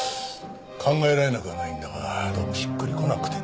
考えられなくはないんだがどうもしっくりこなくてね。